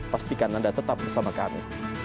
pastikan anda tetap bersama kami